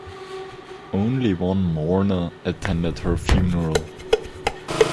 Only one mourner attended her funeral.